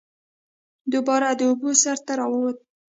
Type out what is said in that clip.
دوباره د اوبو سر ته راووت